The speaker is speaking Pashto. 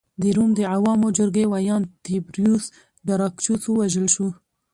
د روم د عوامو جرګې ویاند تیبریوس ګراکچوس ووژل شو